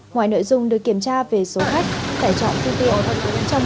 ngoài nội dung được kiểm tra về số khách tải trọng thi tiện